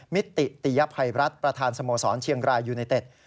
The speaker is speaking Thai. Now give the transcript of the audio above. มิติติยภัยรัฐประธานสโมสรเชียงรายยูไนเต็ด